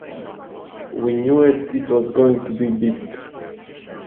We knew it was going to be big.